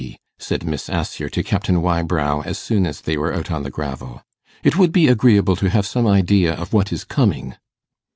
said Miss Assher to Captain Wybrow as soon as they were out on the gravel. 'It would be agreeable to have some idea of what is coming.